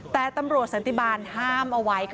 แต่ตำรวจสันติบาลห้ามเอาไว้ค่ะ